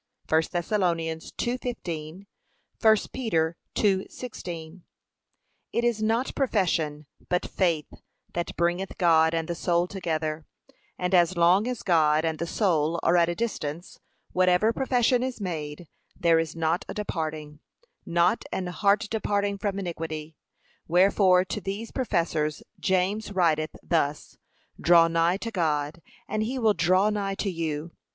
(1 Thess 2:15; 1 Peter 2:16) It is not profession, but faith, that bringeth God and the soul together; and as long as God and the soul are at a distance, whatever profession is made, there is not a departing, not an heart departing from iniquity. Wherefore to these professors James writeth thus, 'Draw nigh to God, and he will draw nigh to you.